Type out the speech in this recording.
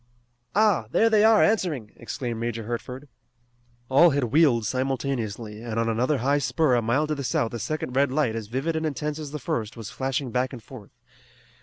"Ah, there they are answering!" exclaimed Major Hertford. All had wheeled simultaneously, and on another high spur a mile to the south a second red light as vivid and intense as the first was flashing back and forth.